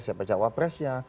siapa jawab presnya